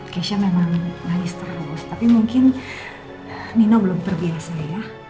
kesha memang nangis terus tapi mungkin nina belum terbiasa ya